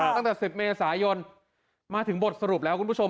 ตั้งแต่๑๐เมษายนมาถึงบทสรุปแล้วคุณผู้ชม